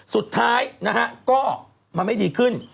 สุดท้ายนะฮะก็มันไม่ดีขึ้น